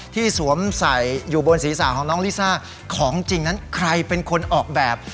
สวมใส่อยู่บนศีรษะของน้องลิซ่าของจริงนั้นใครเป็นคนออกแบบ